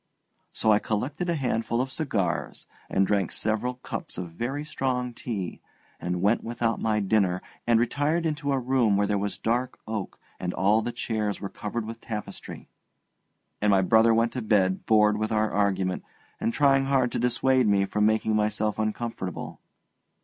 So I collected a handful of cigars and drank several cups of very strong tea, and went without my dinner, and retired into a room where there was dark oak and all the chairs were covered with tapestry; and my brother went to bed bored with our argument, and trying hard to dissuade me from making myself uncomfortable.